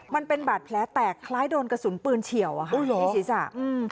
มันเป็นบาดแผลแตกคล้ายโดนกระสุนปืนเฉียวอะค่ะอุ้ยเหรออืม